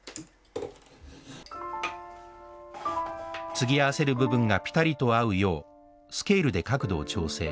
継ぎ合わせる部分がピタリと合うようスケールで角度を調整。